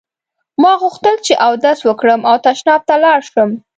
ما غوښتل چې اودس وکړم او تشناب ته لاړ شم.